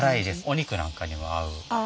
お肉なんかにも合う。